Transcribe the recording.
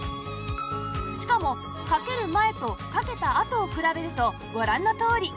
しかもかける前とかけたあとを比べるとご覧のとおり